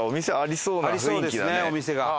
お店が。